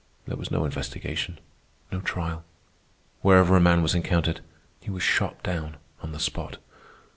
There was no investigation, no trial. Wherever a man was encountered, he was shot down on the spot.